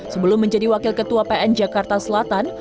sebelum menjadi wakil ketua pn jakarta selatan